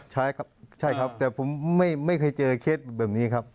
ใช่ครับใช่ครับแต่ผมไม่เคยเจอเคสแบบนี้ครับ